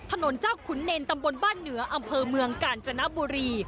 ถนนเจ้าขุนเนรตำบลบ้านเหนืออำเภอเมืองกาญจนบุรี